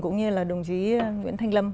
cũng như là đồng chí nguyễn thanh lâm